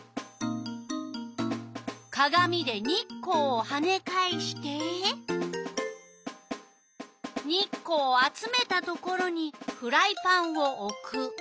かがみで日光をはねかえして日光を集めたところにフライパンをおく。